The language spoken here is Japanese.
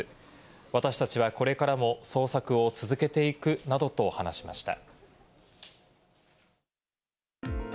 私達はこれからも捜索を続けていくなどと話しました。